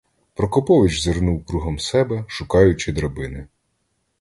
Прокопович зирнув кругом себе, шукаючи драбини.